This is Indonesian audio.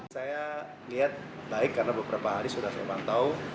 saya lihat baik karena beberapa hari sudah saya pantau